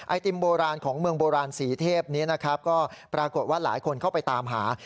ติมโบราณของเมืองโบราณสีเทพนี้นะครับก็ปรากฏว่าหลายคนเข้าไปตามหา